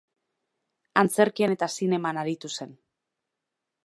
Antzerkian eta zineman aritu zen.